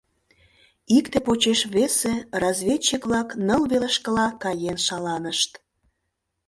Икте почеш весе разведчик-влак ныл велышкыла каен шаланышт.